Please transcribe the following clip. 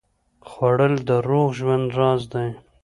خوړل د روغ ژوند راز دی